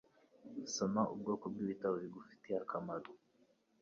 Soma ubwoko bwibitabo bigufitiye akamaro.